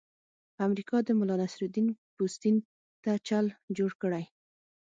امریکا د ملانصرالدین پوستین ته چل جوړ کړی.